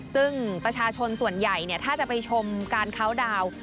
ซึ่งประชาชนส่วนใหญ่ถ้าจะไปชมการเคาน์ดาวน์